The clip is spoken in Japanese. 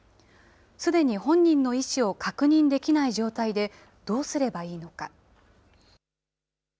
すでに本人の意思を確認できない状態で、どうすればいいのか。